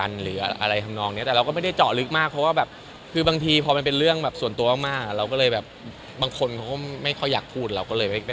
จะมองว่าอเล็กคือแบบเหมือนข่มข่มกับเราหรือเปล่า